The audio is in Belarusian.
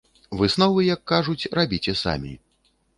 Высновы, як кажуць, рабіце самі.